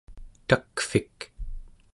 takvik